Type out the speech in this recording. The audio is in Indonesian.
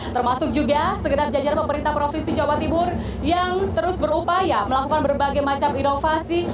termasuk juga segenap jajaran pemerintah provinsi jawa timur yang terus berupaya melakukan berbagai macam inovasi